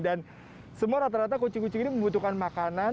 dan semua rata rata kucing kucing ini membutuhkan makanan